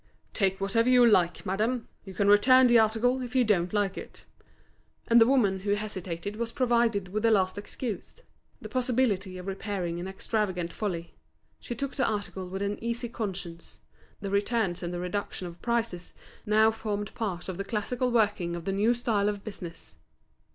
"Take whatever you like, madame; you can return the article if you don't like it." And the woman who hesitated was provided with the last excuse, the possibility of repairing an extravagant folly; she took the article with an easy conscience. The returns and the reduction of prices now formed part of the classical working of the new style of business.